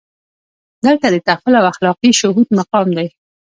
دلته د تعقل او اخلاقي شهود مقام دی.